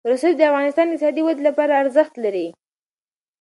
رسوب د افغانستان د اقتصادي ودې لپاره ارزښت لري.